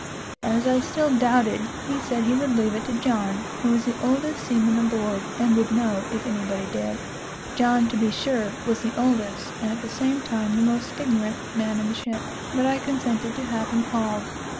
As I still doubted, he said he would leave it to John, who was the oldest seaman aboard, and would know, if anybody did. John, to be sure, was the oldest, and at the same time the most ignorant, man in the ship; but I consented to have him called.